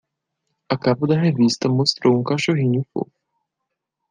A capa da revista mostrou um cachorrinho fofo.